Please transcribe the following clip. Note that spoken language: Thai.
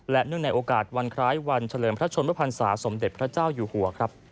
และเนื่องในโอกาสวันคล้ายวันเฉลิมพระชนมพันศาสมเด็จพระเจ้าอยู่หัวครับ